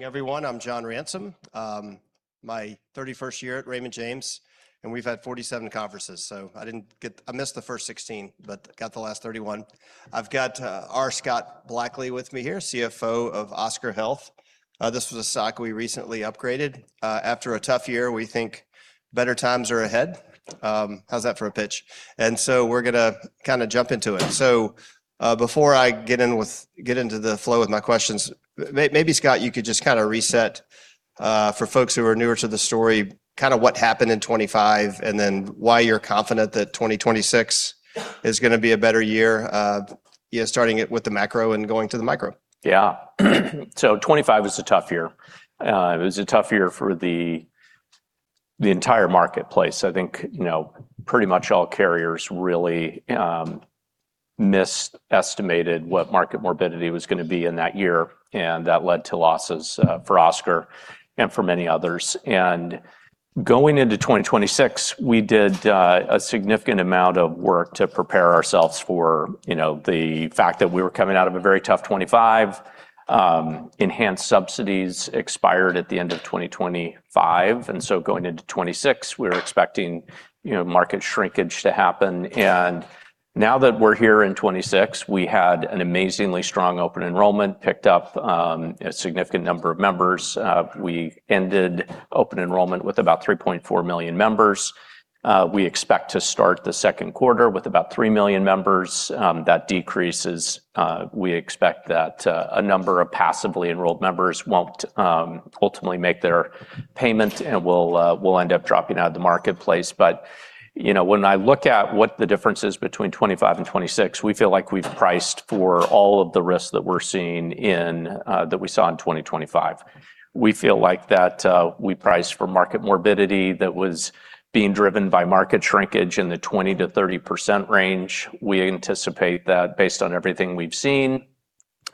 Good morning, everyone, I'm John Ransom. My 31st year at Raymond James, we've had 47 conferences, I missed the first 16, got the last 31. I've got R. Scott Blackley with me here, CFO of Oscar Health. This was a stock we recently upgraded. After a tough year, we think better times are ahead. How's that for a pitch? We're gonna kinda jump into it. Before I get into the flow with my questions, maybe Scott, you could just kinda reset for folks who are newer to the story, kinda what happened in 2025, why you're confident that 2026 is gonna be a better year, you know, starting it with the macro and going to the micro. Yeah. 2025 was a tough year. It was a tough year for the entire marketplace. I think, you know, pretty much all carriers really misestimated what market morbidity was gonna be in that year, and that led to losses for Oscar and for many others. Going into 2026, we did a significant amount of work to prepare ourselves for, you know, the fact that we were coming out of a very tough 2025. Enhanced subsidies expired at the end of 2025, and so going into 2026, we were expecting, you know, market shrinkage to happen. Now that we're here in 2026, we had an amazingly strong Open Enrollment, picked up a significant number of members. We ended Open Enrollment with about 3.4 million members. We expect to start the Q2 with about 3 million members. That decreases, we expect that a number of passively enrolled members won't ultimately make their payment and will end up dropping out of the marketplace. You know, when I look at what the difference is between 2025 and 2026, we feel like we've priced for all of the risks that we're seeing in that we saw in 2025. We feel like that we priced for market morbidity that was being driven by market shrinkage in the 20%-30% range. We anticipate that based on everything we've seen,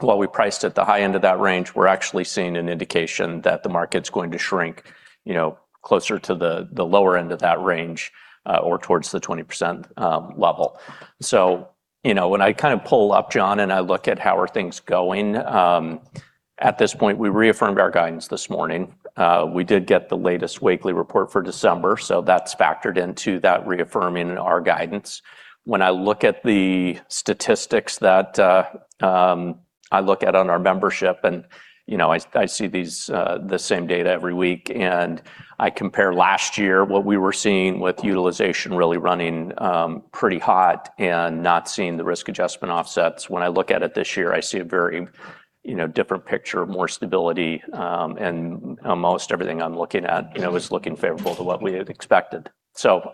while we priced at the high end of that range, we're actually seeing an indication that the market's going to shrink, you know, closer to the lower end of that range, or towards the 20% level. You know, when I kind of pull up, John, and I look at how are things going, at this point, we reaffirmed our guidance this morning. We did get the latest weekly report for December, so that's factored into that reaffirming our guidance. When I look at the statistics that I look at on our membership, and, you know, I see these, the same data every week, and I compare last year what we were seeing with utilization really running, pretty hot and not seeing the risk adjustment offsets. When I look at it this year, I see a very, you know, different picture, more stability, and almost everything I'm looking at, you know, is looking favorable to what we had expected.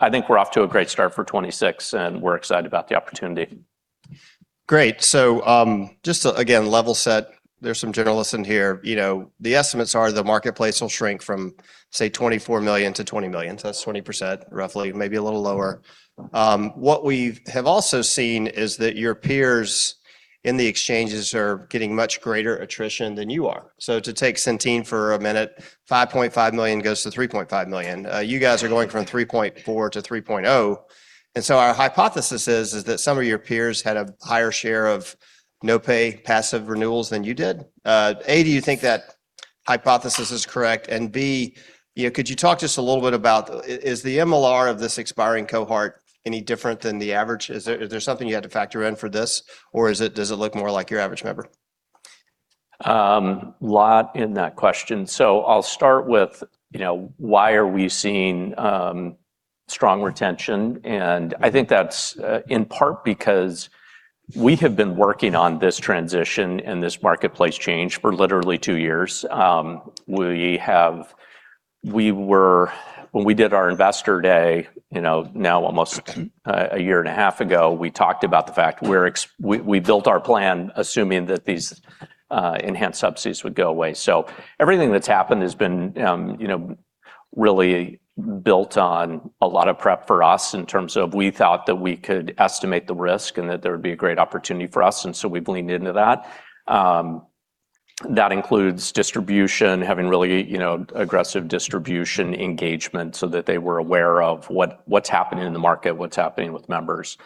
I think we're off to a great start for 2026, and we're excited about the opportunity. Great. Just to, again, level set, there's some journalists in here, you know, the estimates are the marketplace will shrink from, say, 24 million-0 million. That's 20%, roughly, maybe a little lower. What we've have also seen is that your peers in the exchanges are getting much greater attrition than you are. To take Centene for a minute, 5.5 million goes to 3.5 million. You guys are going from 3.4-3.0. Our hypothesis is that some of your peers had a higher share of no-pay passive renewals than you did. A, do you think that hypothesis is correct? B, you know, could you talk just a little bit about is the MLR of this expiring cohort any different than the average? Is there something you had to factor in for this, or does it look more like your average member? Lot in that question. I'll start with, you know, why are we seeing strong retention, and I think that's in part because we have been working on this transition and this marketplace change for literally two years. When we did our investor day, you know, now almost a year and a half ago, we talked about the fact we built our plan assuming that these enhanced subsidies would go away. Everything that's happened has been, you know, really built on a lot of prep for us in terms of we thought that we could estimate the risk and that there would be a great opportunity for us, we leaned into that. That includes distribution, having really, you know, aggressive distribution engagement so that they were aware of what's happening in the market, what's happening with members.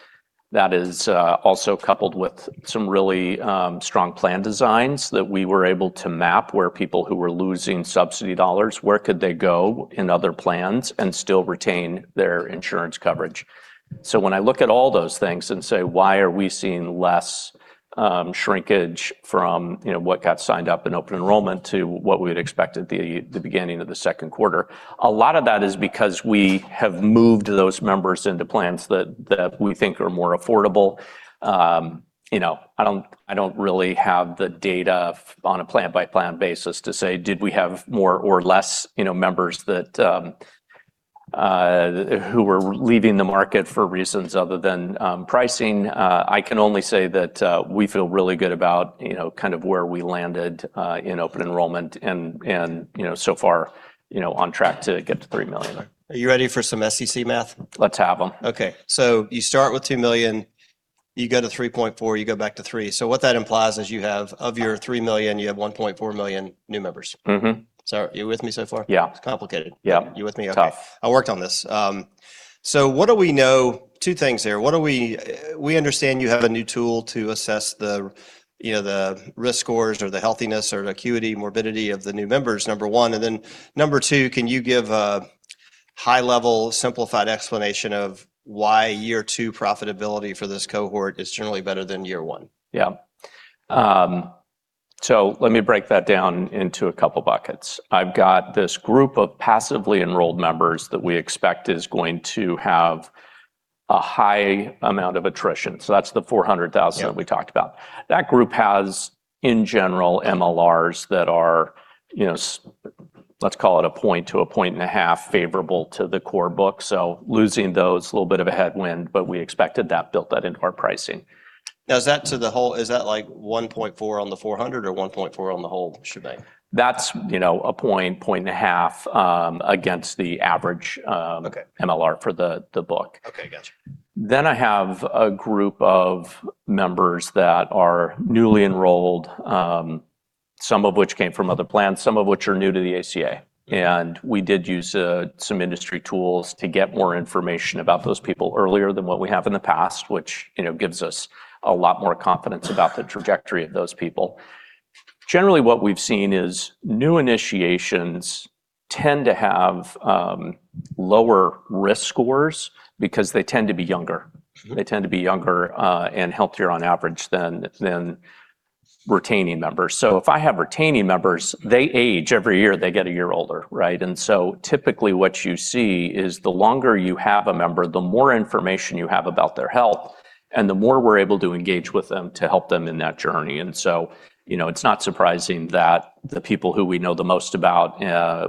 That is also coupled with some really strong plan designs that we were able to map where people who were losing subsidy dollars, where could they go in other plans and still retain their insurance coverage? When I look at all those things and say, why are we seeing less shrinkage from, you know, what got signed up in Open Enrollment to what we had expected the beginning of the Q2, a lot of that is because we have moved those members into plans that we think are more affordable. I don't really have the data on a plan-by-plan basis to say, did we have more or less, you know, members that who were leaving the market for reasons other than pricing. I can only say that we feel really good about, you know, kind of where we landed in open enrollment and, you know, so far, you know, on track to get to $3 million Are you ready for some SEC math? Let's have 'em. Okay. You start with $2 million, you go to $3.4 million, you go back to $3 million. What that implies is you have, of your $3 million, you have $1.4 million new members. Mm-hmm. Are you with me so far? Yeah. It's complicated. Yeah. You with me? Okay. Tough. I worked on this. What do we know? Two things here. We understand you have a new tool to assess the, you know, the risk scores or the healthiness or acuity, morbidity of the new members, number one. Number two, can you give a high-level simplified explanation of why year two profitability for this cohort is generally better than year one? Yeah. Let me break that down into a couple buckets. I've got this group of passively enrolled members that we expect is going to have a high amount of attrition. That's the 400,000. Yeah... we talked about. That group has, in general, MLRs that are, you know, let's call it one point to a point and a half favorable to the core book. Losing those, a little bit of a headwind, but we expected that, built that into our pricing. Is that like one point four on the 400 or one point four on the whole shebang? That's, you know, a point and a half against the average. Okay... MLR for the book. Okay, gotcha. I have a group of members that are newly enrolled, some of which came from other plans, some of which are new to the ACA. We did use some industry tools to get more information about those people earlier than what we have in the past, which, you know, gives us a lot more confidence about the trajectory of those people. Generally, what we've seen is new initiations tend to have lower risk scores because they tend to be younger. Mm-hmm. They tend to be younger and healthier on average than retaining members. If I have retaining members, they age every year, they get a year older, right? Typically what you see is the longer you have a member, the more information you have about their health, and the more we're able to engage with them to help them in that journey. You know, it's not surprising that the people who we know the most about,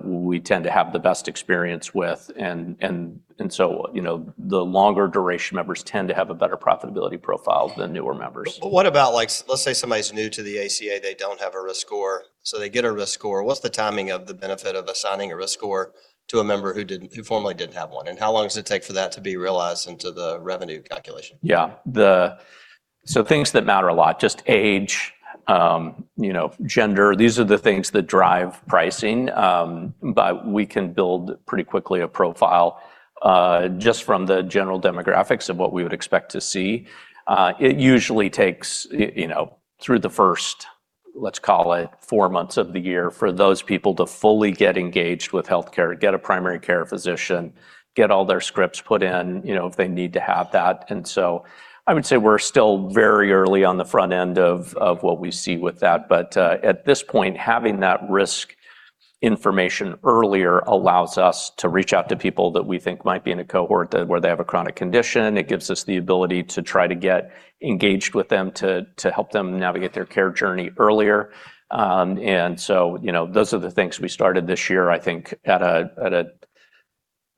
we tend to have the best experience with and so, you know, the longer duration members tend to have a better profitability profile than newer members. What about like, let's say somebody's new to the ACA, they don't have a risk score, so they get a risk score. What's the timing of the benefit of assigning a risk score to a member who formerly didn't have one? How long does it take for that to be realized into the revenue calculation? Things that matter a lot, just age, you know, gender, these are the things that drive pricing. We can build pretty quickly a profile just from the general demographics of what we would expect to see. It usually takes, you know, through the first, let's call it, four months of the year for those people to fully get engaged with healthcare, get a primary care physician, get all their scripts put in, you know, if they need to have that. I would say we're still very early on the front end of what we see with that. At this point, having that risk information earlier allows us to reach out to people that we think might be in a cohort that where they have a chronic condition. It gives us the ability to try to get engaged with them to help them navigate their care journey earlier. You know, those are the things we started this year, I think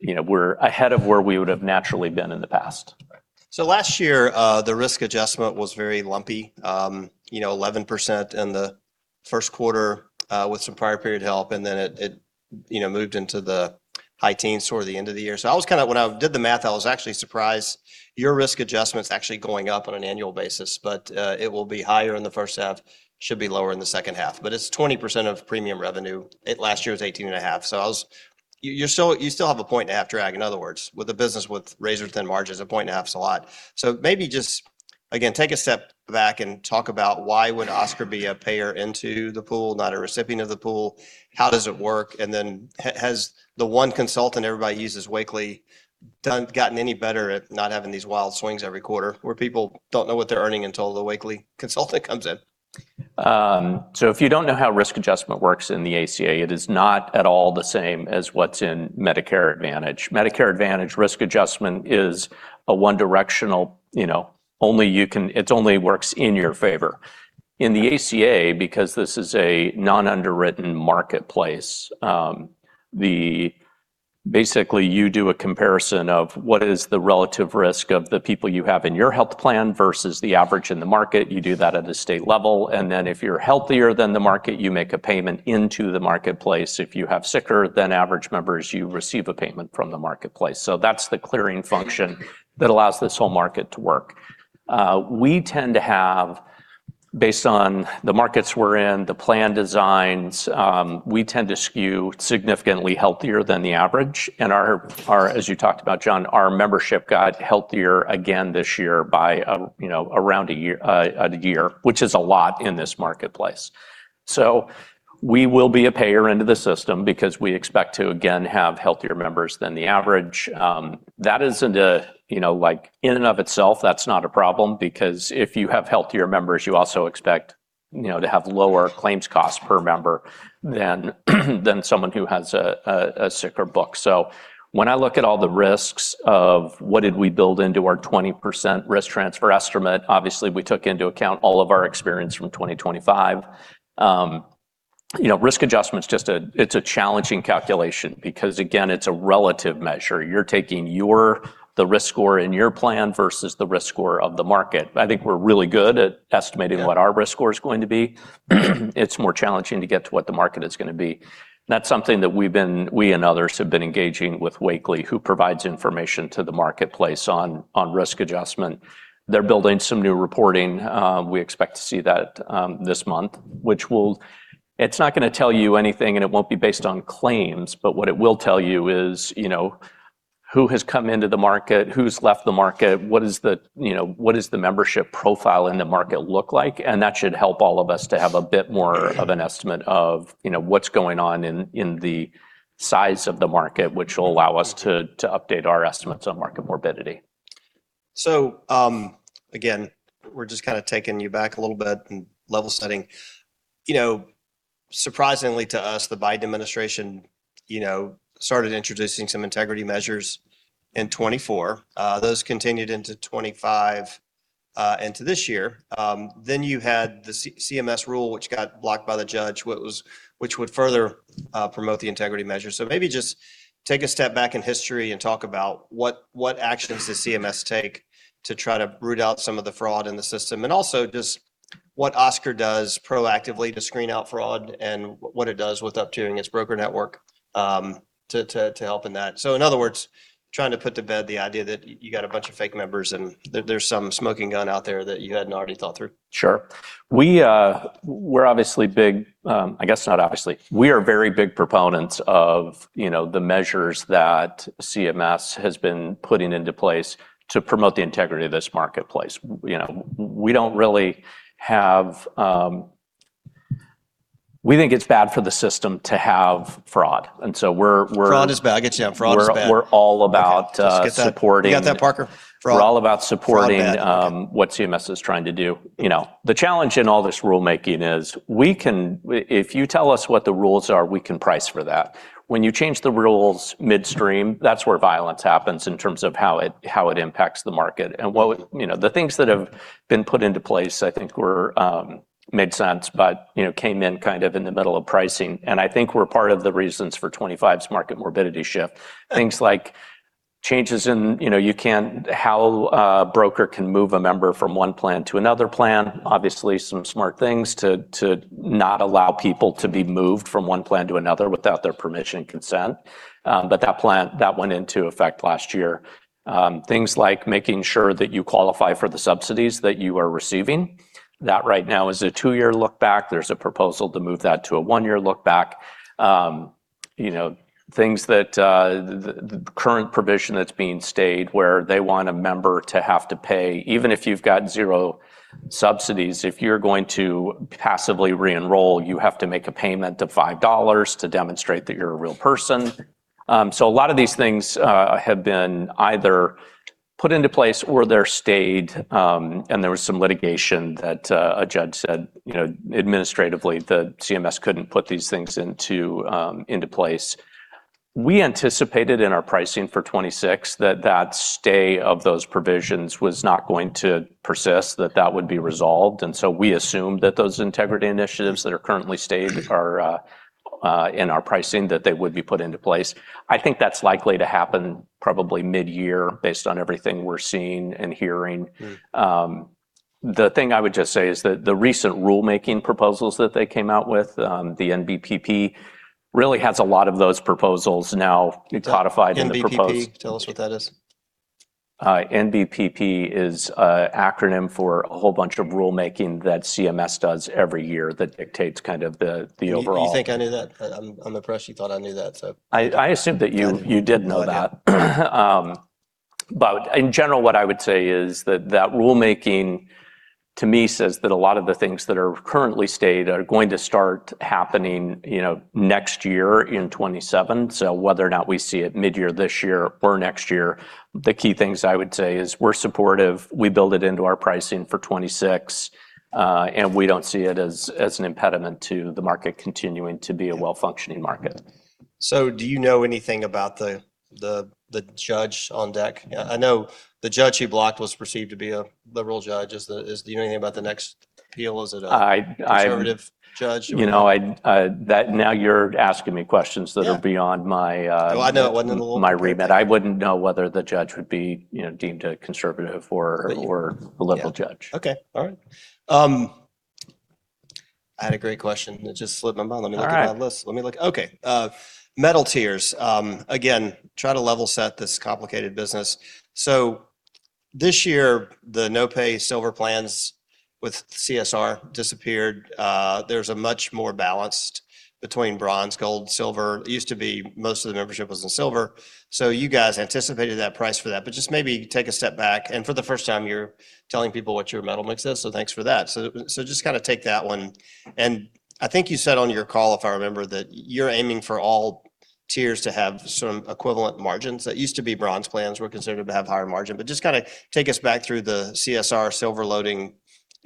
you know, we're ahead of where we would've naturally been in the past. Last year, the risk adjustment was very lumpy. You know, 11% in the Q1, with some prior period help, and then it, you know, moved into the high teens toward the end of the year. When I did the math, I was actually surprised your risk adjustment's actually going up on an annual basis. It will be higher in the H1, should be lower in the H2. It's 20% of premium revenue. Last year was 18.5%. You still have a point and a half drag, in other words. With a business with razor-thin margins, a point and a half's a lot. Maybe just, again, take a step back and talk about why would Oscar be a payer into the pool, not a recipient of the pool? How does it work? Has the one consultant everybody uses, Wakely, gotten any better at not having these wild swings every quarter where people don't know what they're earning until the Wakely consultant comes in? If you don't know how risk adjustment works in the ACA, it is not at all the same as what's in Medicare Advantage. Medicare Advantage risk adjustment is a one directional, you know, it only works in your favor. In the ACA, because this is a non-underwritten marketplace, basically you do a comparison of what is the relative risk of the people you have in your health plan versus the average in the market. You do that at a state level, and then if you're healthier than the market, you make a payment into the marketplace. If you have sicker than average members, you receive a payment from the marketplace. That's the clearing function that allows this whole market to work. We tend to have, based on the markets we're in, the plan designs, we tend to skew significantly healthier than the average. Our, as you talked about, John, our membership got healthier again this year by, you know, around a year, which is a lot in this marketplace. We will be a payer into the system because we expect to, again, have healthier members than the average. That isn't a, you know, like in and of itself, that's not a problem because if you have healthier members, you also expect, you know, to have lower claims costs per member than someone who has a sicker book. When I look at all the risks of what did we build into our 20% risk transfer estimate, obviously, we took into account all of our experience from 2025. you know, risk adjustment's just a challenging calculation because, again, it's a relative measure. You're taking the risk score in your plan versus the risk score of the market. I think we're really good at estimating what our risk score is going to be. It's more challenging to get to what the market is gonna be. That's something that we and others have been engaging with Wakely, who provides information to the marketplace on risk adjustment. They're building some new reporting. We expect to see that this month, it's not gonna tell you anything, and it won't be based on claims, but what it will tell you is, you know, who has come into the market? Who's left the market? What is the, you know, what is the membership profile in the market look like? That should help all of us to have a bit more of an estimate of, you know, what's going on in the size of the market, which will allow us to update our estimates on market morbidity. Again, we're just kind of taking you back a little bit and level setting. You know, surprisingly to us, the Biden administration, you know, started introducing some integrity measures in 2024. Those continued into 2025, into this year. You had the CMS rule, which got blocked by the judge, which would further promote the integrity measures. Maybe just take a step back in history and talk about what actions did CMS take to try to root out some of the fraud in the system, and also just what Oscar does proactively to screen out fraud and what it does with uptuning its broker network to help in that. In other words, trying to put to bed the idea that you got a bunch of fake members, and there's some smoking gun out there that you hadn't already thought through. Sure. We're obviously big, I guess not obviously. We are very big proponents of, you know, the measures that CMS has been putting into place to promote the integrity of this marketplace. You know, we don't really have. We think it's bad for the system to have fraud. We're Fraud is bad. I get you. Fraud is bad. We're all about. Okay. Just get that- -supporting- You got that, Parker? Fraud. We're all about supporting-. Fraud bad. Okay.... what CMS is trying to do. You know, the challenge in all this rulemaking is we can if you tell us what the rules are, we can price for that. You change the rules midstream, that's where violence happens in terms of how it impacts the market, and You know, the things that have been put into place I think were made sense, but, you know, came in kind of in the middle of pricing, and I think were part of the reasons for 2025's market morbidity shift. Things like changes in, you know, how a broker can move a member from one plan to another plan. Obviously, some smart things to not allow people to be moved from one plan to another without their permission and consent. That plan went into effect last year. Things like making sure that you qualify for the subsidies that you are receiving. That right now is a two-year look back. There's a proposal to move that to a one-year look back. You know, things that, the current provision that's being stayed, where they want a member to have to pay, even if you've got zero subsidies, if you're going to passively re-enroll, you have to make a payment of $5 to demonstrate that you're a real person. A lot of these things have been either put into place or they're stayed, and there was some litigation that a judge said, you know, administratively, that CMS couldn't put these things into place. We anticipated in our pricing for 2026 that that stay of those provisions was not going to persist, that that would be resolved, and so we assumed that those integrity initiatives that are currently stayed are in our pricing, that they would be put into place. I think that's likely to happen probably mid-year based on everything we're seeing and hearing. Mm. The thing I would just say is that the recent rulemaking proposals that they came out with, the NBPP, really has a lot of those proposals now codified in the proposed-. NBPP, tell us what that is? NBPP is an acronym for a whole bunch of rulemaking that CMS does every year that dictates kind of the. You think I knew that? I'm impressed you thought I knew that, so. I assumed that. Got it. Got it.... you did know that. In general, what I would say is that that rulemaking, to me, says that a lot of the things that are currently stayed are going to start happening, you know, next year in 2027. Whether or not we see it mid-year this year or next year, the key things I would say is we're supportive, we build it into our pricing for 2026, and we don't see it as an impediment to the market continuing to be a well-functioning market. Do you know anything about the judge on deck? I know the judge who blocked was perceived to be a liberal judge. Do you know anything about the next appeal? I, I- conservative judge? You know, I, now you're asking me questions that are... Yeah... beyond my... Well, I know it wasn't in the rule.... my remit. I wouldn't know whether the judge would be, you know, deemed a conservative or. But you-... or a liberal judge. Yeah. Okay, all right. I had a great question. It just slipped my mind. All right. Let me look at my list. Let me look. Okay. metal tiers. again, try to level set this complicated business. this year, the no-pay Silver plans with CSR disappeared. there's a much more balance between Bronze, Gold, Silver. It used to be most of the membership was in Silver, so you guys anticipated that price for that. just maybe take a step back, and for the first time, you're telling people what your metal mix is, so thanks for that. just kind of take that one, and I think you said on your call, if I remember, that you're aiming for all tiers to have sort of equivalent margins. That used to be Bronze plans were considered to have higher margin, but just kind of take us back through the CSR silver loading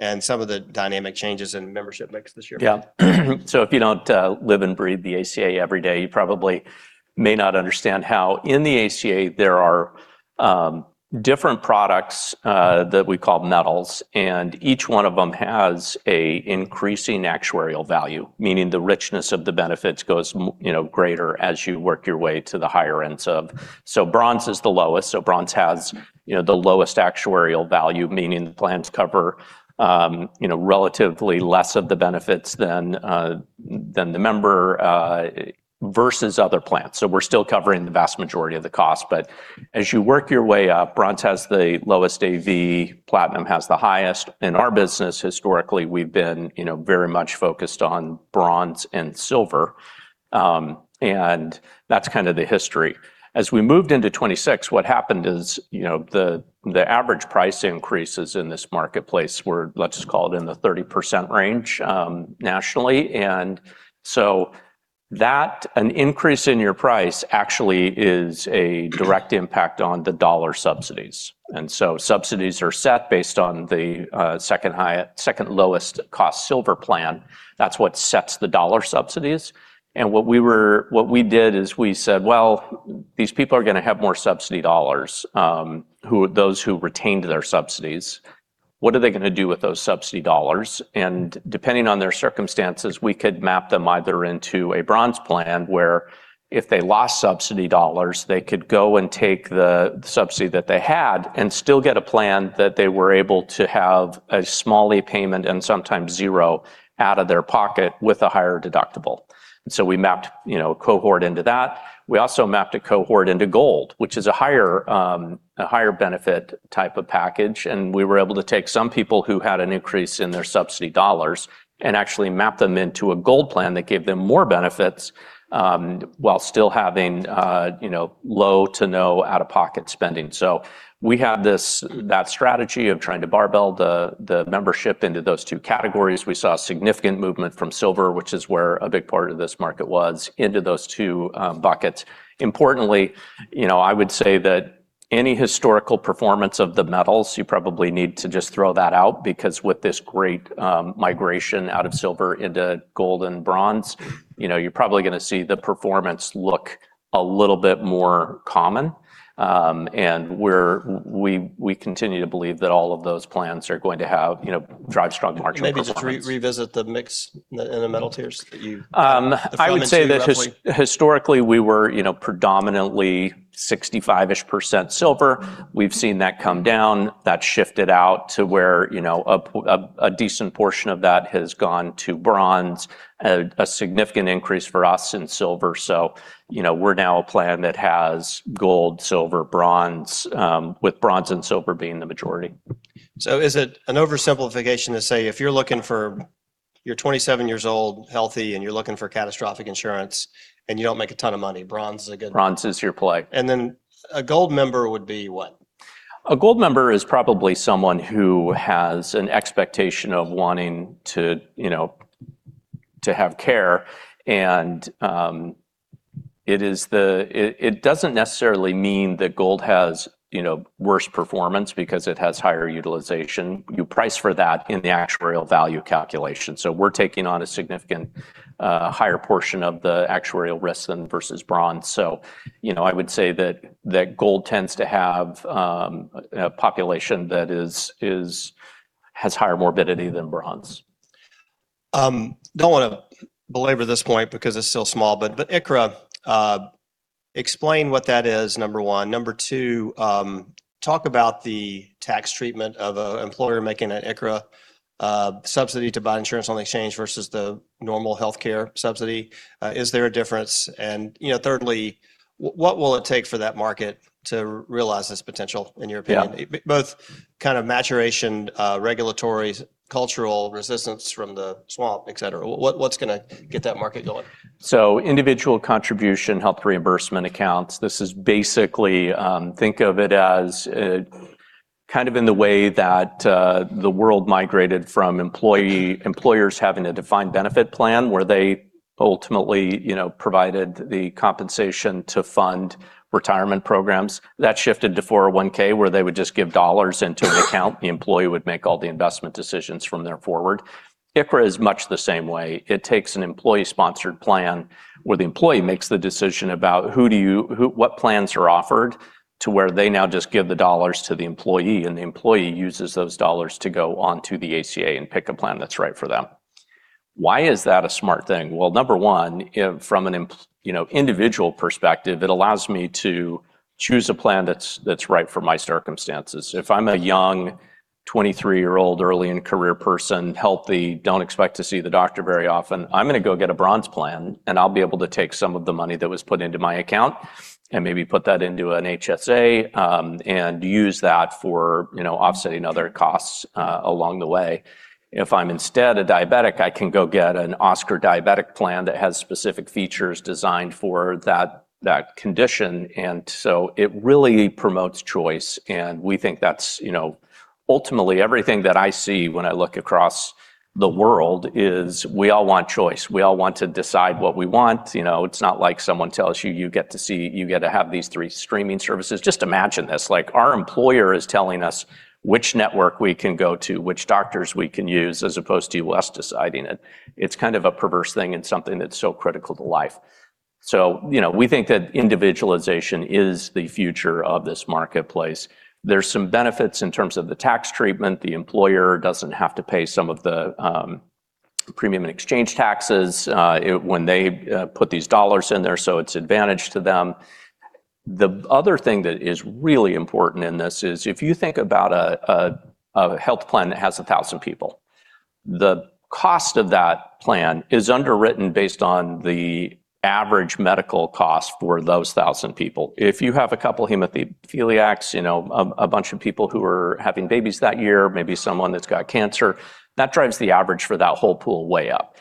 and some of the dynamic changes in membership mix this year. Yeah. If you don't live and breathe the ACA every day, you probably may not understand how in the ACA there are different products that we call metals, and each one of them has an increasing actuarial value, meaning the richness of the benefits goes, you know, greater as you work your way to the higher ends. Bronze is the lowest, so Bronze has, you know, the lowest actuarial value, meaning the plans cover, you know, relatively less of the benefits than the member versus other plans. We're still covering the vast majority of the cost. As you work your way up, Bronze has the lowest AV, Platinum has the highest. In our business, historically, we've been, you know, very much focused on Bronze and Silver. That's kind of the history. As we moved into 2026, what happened is, you know, the average price increases in this marketplace were, let's just call it, in the 30% range, nationally. That, an increase in your price actually is a direct impact on the dollar subsidies. Subsidies are set based on the second-highest, Second Lowest Cost Silver Plan. That's what sets the dollar subsidies. What we did is we said, "Well, these people are gonna have more subsidy dollars, those who retained their subsidies. What are they gonna do with those subsidy dollars?" Depending on their circumstances, we could map them either into a Bronze plan, where if they lost subsidy dollars, they could go and take the subsidy that they had and still get a plan that they were able to have a small e-payment and sometimes zero out of their pocket with a higher deductible. We mapped, you know, a cohort into that. We also mapped a cohort into Gold, which is a higher, a higher benefit type of package. We were able to take some people who had an increase in their subsidy dollars and actually map them into a Gold plan that gave them more benefits, while still having, you know, low to no out-of-pocket spending. We had this, that strategy of trying to barbell the membership into those two categories. We saw significant movement from Silver, which is where a big part of this market was, into those two buckets. Importantly, you know, I would say that any historical performance of the metals, you probably need to just throw that out because with this great migration out of Silver into Gold and Bronze, you know, you're probably gonna see the performance look a little bit more common. We continue to believe that all of those plans are going to have, you know, drive strong marginal performance. You maybe need to revisit the mix in the metal tiers. I would say that his- The Platinum too, roughly.... historically we were, you know, predominantly 65-ish% Silver. We've seen that come down. That's shifted out to where, you know, a decent portion of that has gone to Bronze, a significant increase for us in Silver. You know, we're now a plan that has Gold, Silver, Bronze, with Bronze and Silver being the majority. Is it an oversimplification to say if you're looking for... You're 27 years old, healthy, and you're looking for catastrophic insurance, and you don't make a ton of money, Bronze is a good- Bronze is your play. A Gold member would be what? A Gold member is probably someone who has an expectation of wanting to, you know, to have care, and it doesn't necessarily mean that Gold has, you know, worse performance because it has higher utilization. You price for that in the actuarial value calculation. We're taking on a significant higher portion of the actuarial risk than versus Bronze. You know, I would say that Gold tends to have a population that has higher morbidity than Bronze. Don't wanna belabor this point because it's still small, but ICHRA, explain what that is, number one. Number two, talk about the tax treatment of a employer making an ICHRA subsidy to buy insurance on the exchange versus the normal healthcare subsidy. Is there a difference? You know, thirdly, what will it take for that market to realize its potential, in your opinion? Yeah. both kind of maturation, regulatory, cultural resistance from the swamp, et cetera. What, what's gonna get that market going? Individual contribution, health reimbursement accounts, this is basically, think of it as kind of in the way that the world migrated from employers having a defined benefit plan where they ultimately, you know, provided the compensation to fund retirement programs. That shifted to 401-K where they would just give dollars into an account. The employee would make all the investment decisions from there forward. ICHRA is much the same way. It takes an employee-sponsored plan where the employee makes the decision about what plans are offered to where they now just give the dollars to the employee, and the employee uses those dollars to go onto the ACA and pick a plan that's right for them. Why is that a smart thing? Well, number one, you know, from an individual perspective, it allows me to choose a plan that's right for my circumstances. If I'm a young, 23-year-old, early in career person, healthy, don't expect to see the doctor very often, I'm gonna go get a Bronze plan, and I'll be able to take some of the money that was put into my account and maybe put that into an HSA, and use that for, you know, offsetting other costs along the way. If I'm instead a diabetic, I can go get an Oscar diabetic plan that has specific features designed for that condition. It really promotes choice, and we think that's, you know. Ultimately, everything that I see when I look across the world is we all want choice. We all want to decide what we want. You know, it's not like someone tells you get to see, you get to have these three streaming services. Just imagine this, like, our employer is telling us which network we can go to, which doctors we can use, as opposed to us deciding it. It's kind of a perverse thing and something that's so critical to life. You know, we think that individualization is the future of this marketplace. There's some benefits in terms of the tax treatment. The employer doesn't have to pay some of the premium and exchange taxes when they put these dollars in there, so it's advantage to them. The other thing that is really important in this is if you think about a health plan that has 1,000 people, Cost of that plan is underwritten based on the average medical cost for those 1,000 people. If you have a couple hemophiliacs, you know, a bunch of people who are having babies that year, maybe someone that's got cancer, that drives the average for that whole pool way up.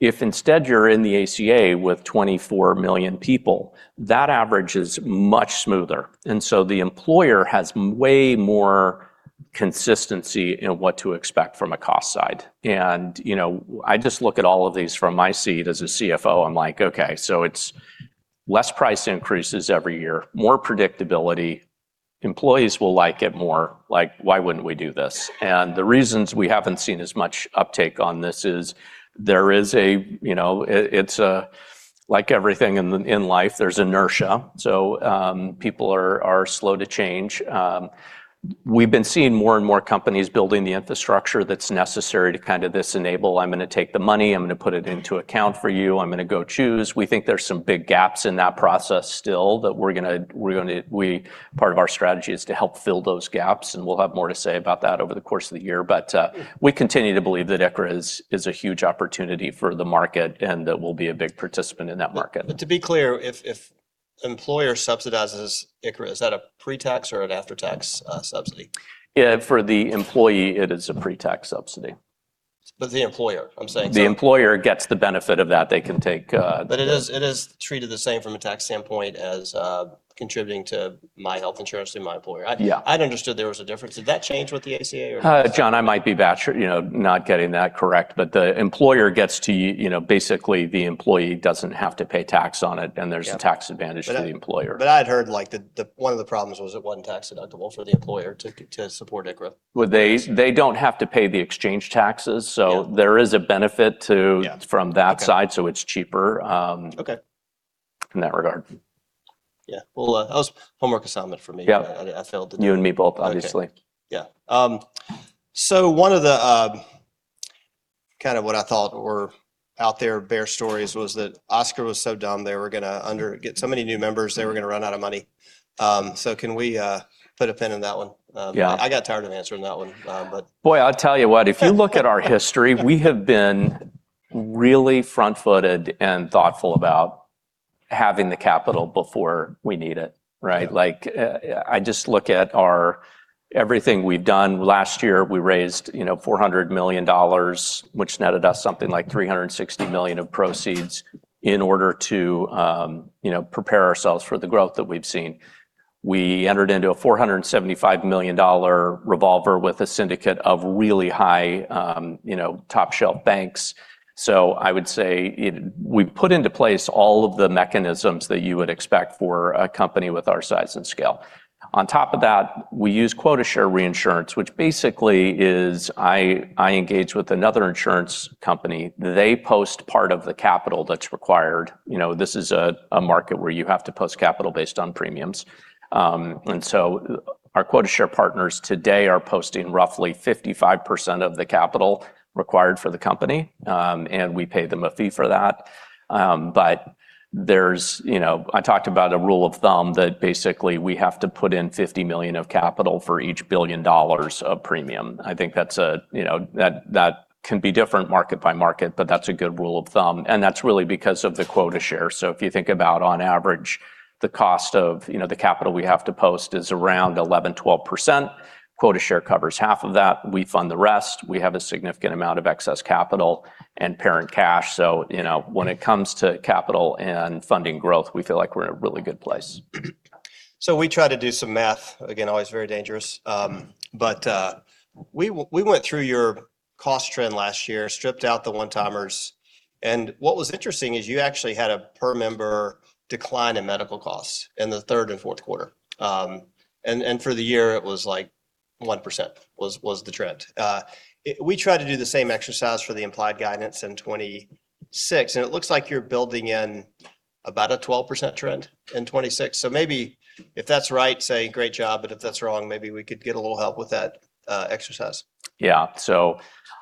If instead you're in the ACA with 24 million people, that average is much smoother. The employer has way more consistency in what to expect from a cost side. You know, I just look at all of these from my seat as a CFO, I'm like, okay, so it's less price increases every year, more predictability. Employees will like it more. Like, why wouldn't we do this? The reasons we haven't seen as much uptake on this is You know, it's like everything in life, there's inertia. People are slow to change. We've been seeing more and more companies building the infrastructure that's necessary to kinda disenable, "I'm gonna take the money, I'm gonna put it into account for you. I'm gonna go choose." We think there's some big gaps in that process still that we're gonna part of our strategy is to help fill those gaps, and we'll have more to say about that over the course of the year. We continue to believe that ICHRA is a huge opportunity for the market and that we'll be a big participant in that market. To be clear, if employer subsidizes ICHRA, is that a pre-tax or an after-tax subsidy? Yeah, for the employee, it is a pre-tax subsidy. The employer, I'm saying. The employer gets the benefit of that. They can take. It is treated the same from a tax standpoint as contributing to my health insurance through my employer. Yeah. I'd understood there was a difference. Did that change with the ACA or? John, I might be butchering, you know, not getting that correct. The employer gets to. You know, basically the employee doesn't have to pay tax on it. Yeah... a tax advantage to the employer. I'd heard like the one of the problems was it wasn't tax deductible for the employer to support ICHRA. Well, they don't have to pay the exchange taxes. Yeah... there is a benefit. Yeah from that side, it's cheaper. Okay in that regard. Yeah. Well, that was homework assignment for me. Yeah. I failed to- You and me both, obviously. Okay. Yeah. One of the, kind of what I thought were out there bear stories was that Oscar was so dumb, they were gonna get so many new members, they were gonna run out of money. Can we, put a pin in that one? Yeah. I got tired of answering that one, but. Boy, I'll tell you what. If you look at our history, we have been really front-footed and thoughtful about having the capital before we need it, right? Like, I just look at everything we've done. Last year, we raised, you know, $400 million, which netted us something like $360 million of proceeds in order to, you know, prepare ourselves for the growth that we've seen. We entered into a $475 million revolver with a syndicate of really high, you know, top-shelf banks. I would say we've put into place all of the mechanisms that you would expect for a company with our size and scale. On top of that, we use quota share reinsurance, which basically is I engage with another insurance company. They post part of the capital that's required. You know, this is a market where you have to post capital based on premiums. Our quota share partners today are posting roughly 55% of the capital required for the company. We pay them a fee for that. You know, I talked about a rule of thumb that basically we have to put in $50 million of capital for each $1 billion of premium. I think that's. You know, that can be different market by market, but that's a good rule of thumb, and that's really because of the quota share. If you think about on average, the cost of, you know, the capital we have to post is around 11%-12%. Quota share covers 1/2 of that. We fund the rest. We have a significant amount of excess capital and parent cash. You know, when it comes to capital and funding growth, we feel like we're in a really good place. We try to do some math. Again, always very dangerous. We went through your cost trend last year, stripped out the one-timers. What was interesting is you actually had a per member decline in medical costs in the Q3 and Q4. And for the year, it was like 1% was the trend. We tried to do the same exercise for the implied guidance in 2026. It looks like you're building in about a 12% trend in 2026. Maybe if that's right, say great job, but if that's wrong, maybe we could get a little help with that exercise. Yeah.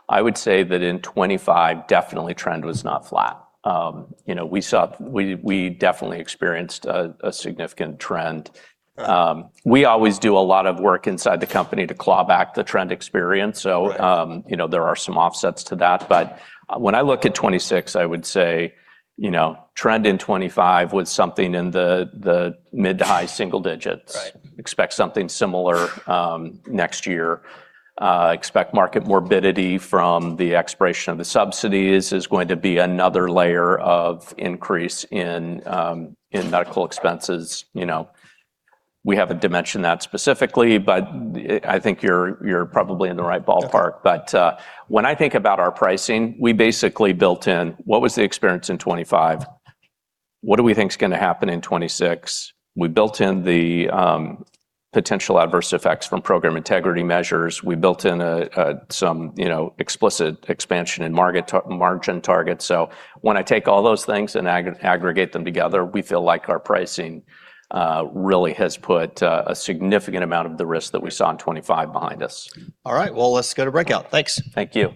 I would say that in 2025, definitely trend was not flat. You know, we definitely experienced a significant trend. We always do a lot of work inside the company to claw back the trend experience. Right... you know, there are some offsets to that. When I look at 2026, I would say, you know, trend in 2025 was something in the mid to high single digits. Right. Expect something similar, next year. Expect market morbidity from the expiration of the subsidies is going to be another layer of increase in medical expenses. You know, we haven't dimensioned that specifically, but I think you're probably in the right ballpark. Okay. When I think about our pricing, we basically built in what was the experience in 2025? What do we think is gonna happen in 2026? We built in the potential adverse effects from program integrity measures. We built in some, you know, explicit expansion in margin targets. When I take all those things and aggregate them together, we feel like our pricing really has put a significant amount of the risk that we saw in 2025 behind us. All right. Well, let's go to breakout. Thanks. Thank you.